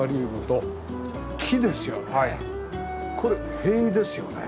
これ塀ですよね？